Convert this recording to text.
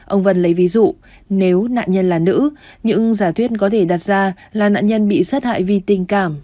ông vân lấy ví dụ nếu nạn nhân là nữ những giả thuyết có thể đặt ra là nạn nhân bị sát hại vì tình cảm